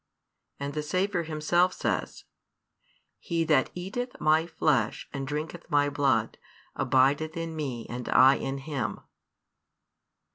And the Saviour Himself says: He that eateth My Flesh and drinketh My Blood, abideth in Me, and I in him.